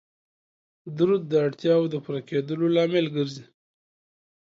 درود د اړتیاو د پوره کیدلو لامل ګرځي